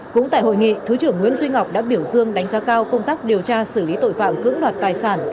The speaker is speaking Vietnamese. cũng tại hội nghị thứ trưởng nguyễn duy ngọc đã biểu dương đánh giá cao công tác điều tra xử lý tội phạm cưỡng đoạt tài sản